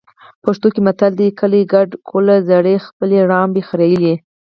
پښتو کې متل دی. کلی کډه کوله زړې خپلې رمبې خریلې.